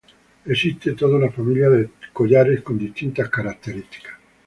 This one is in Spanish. Existe toda una familia de collares con distintas características.